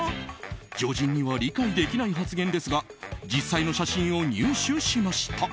常人には理解できない発言ですが実際の写真を入手しました。